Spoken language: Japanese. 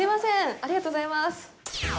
ありがとうございます。